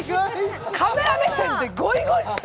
カメラ目線でゴイゴイスー。